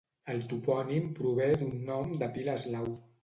El topònim prové d'un nom de pila eslau.